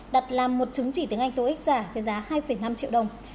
đặt làm một chứng chỉ tiếng anh tô ích giả với giá hai năm triệu đồng